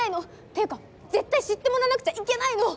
ていうか絶対知ってもらわなくちゃいけないの。